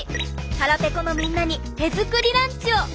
腹ぺこのみんなに手作りランチを！